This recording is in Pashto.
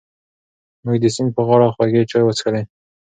موږ د سیند په غاړه خوږې چای وڅښلې.